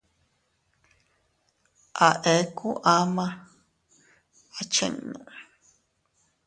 A eku ama a chinnu.